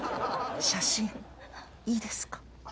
写真いいですか？